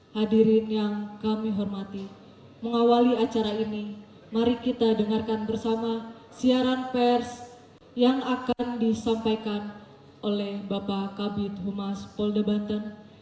hadirin yang kami hormati mengawali acara ini mari kita dengarkan bersama siaran pers yang akan disampaikan oleh bapak kabit humas polda banten